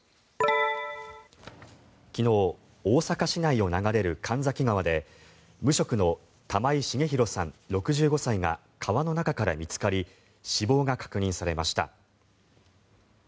昨日、大阪市内を流れる神崎川で無職の玉井重弘さん、６５歳が川の中から見つかり死亡が確認されました。